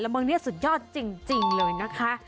และมันเนี่ยสุดยอดจริงเลยนะคะ